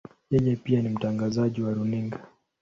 Yeye pia ni mtangazaji wa runinga.